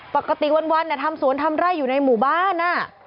ปกติวันทำสวนทำไร่อยู่ในหมู่บ้าน